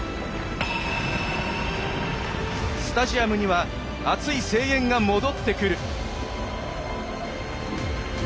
スタジアムには熱い声援が戻ってくる。